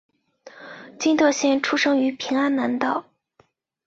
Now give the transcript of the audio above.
金德贤出生于平安南道。